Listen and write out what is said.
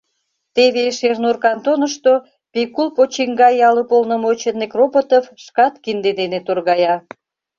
Теве Шернур кантонышто Пекул почиҥга ял уполномоченный Кропотов шкат кинде дене торгая.